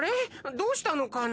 どうしたのかな？